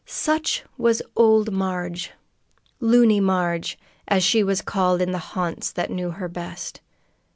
Such was old Marg "Luny Marg," as she was called in the haunts that knew her best.